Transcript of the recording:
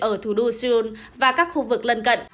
ở thủ đô seoul và các khu vực lân cận